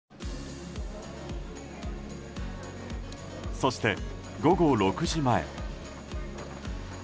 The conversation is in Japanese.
そして午後６時前。